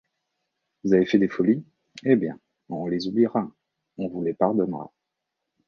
Vous avez fait des folies, eh bien, on les oubliera, on vous les pardonnera.